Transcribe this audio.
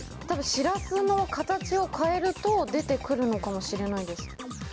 多分シラスの形を変えると出て来るのかもしれないです。